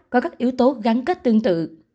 có các yếu tố gắn kết tương tự